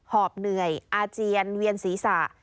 อบเหนื่อยอาเจียนเวียนศีรษะ